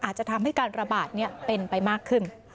อาจจะทำให้การระบาดเป็นไปมากขึ้น